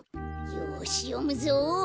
よしよむぞ！